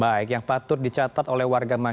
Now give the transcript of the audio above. baik yang patut dicatat oleh warga warga ini